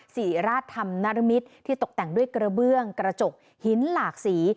ศรีราชธรรมนรมิตรที่ตกแต่งด้วยกระเบื้องกระจกหินหลากสี